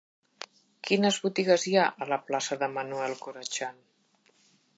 Quines botigues hi ha a la plaça de Manuel Corachan?